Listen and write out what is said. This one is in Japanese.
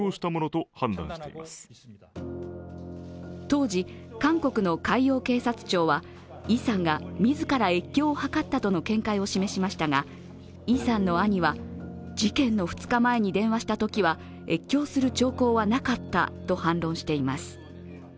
当時、韓国の海洋警察庁はイさんが自ら越境を図ったとの見解を示しましたがイさんの兄は、事件の２日前に電話したときは越境する兆候はなかったと反論しています。